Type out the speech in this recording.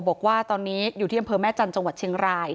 บอกว่าตอนนี้อยู่ที่อำเภอแม่จันทร์จังหวัดเชียงราย